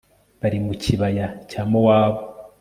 bari mu kibaya cya mowabu